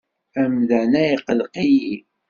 Amdan-a iqelleq-iyi.